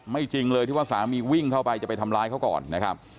จริงเลยที่ว่าสามีวิ่งเข้าไปจะไปทำร้ายเขาก่อนนะครับ